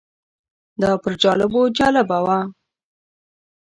دا پر جالبو جالبه وه.